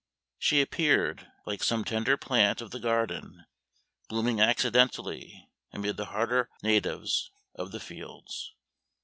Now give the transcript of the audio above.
She appeared like some tender plant of the garden blooming accidentally amid the hardier natives of the fields.